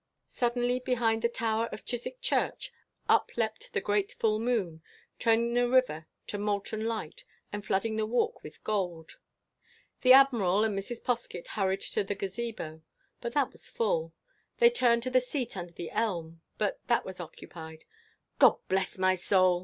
Suddenly, behind the tower of Chiswick Church, up leapt the great full moon, turning the river to molten light, and flooding the Walk with gold. The Admiral and Mrs. Poskett hurried to the Gazebo—but that was full. They turned to the seat under the elm—but that was occupied. "Gobblessmysoul!"